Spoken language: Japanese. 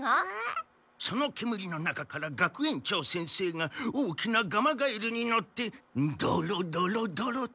その煙の中から学園長先生が大きなガマガエルに乗ってドロドロドロと。